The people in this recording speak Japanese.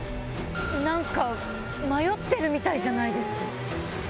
なんか、迷ってるみたいじゃないですか？